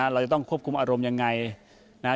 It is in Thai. เราจะต้องควบคุมอารมณ์ยังไง